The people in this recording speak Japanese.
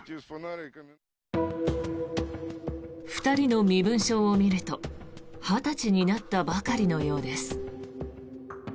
２人の身分証を見ると２０歳になったばかりのようです。